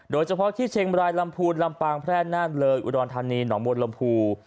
โดยเฉพาะที่เชียงบรายลำพูนลำปางแพร่น่านเลยอุดรธานีหนองมนต์ลำพู